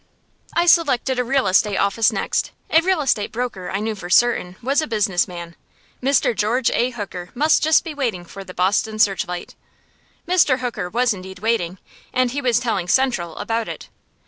I selected a real estate office next. A real estate broker, I knew for certain, was a business man. Mr. George A. Hooker must be just waiting for the "Boston Searchlight." Mr. Hooker was indeed waiting, and he was telling "Central" about it.